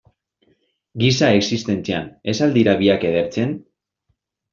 Giza existentzian, ez al dira biak edertzen?